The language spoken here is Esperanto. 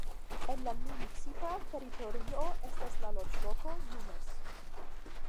En la municipa teritorio estas la loĝloko Llumes.